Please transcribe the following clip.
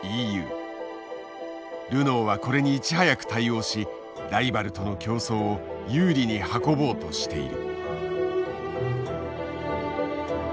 ルノーはこれにいち早く対応しライバルとの競争を有利に運ぼうとしている。